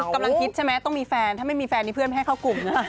กำลังฮิตใช่ไหมต้องมีแฟนถ้าไม่มีแฟนนี่เพื่อนไม่ให้เข้ากลุ่มนะ